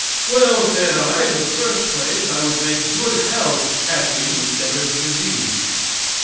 Well, said I, in the first place, I would make good health catching instead of disease.